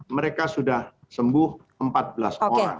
mereka sudah sembuh empat belas orang